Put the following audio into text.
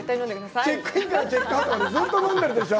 チェックインからチェックアウトまで、ずっと飲んでるでしょ？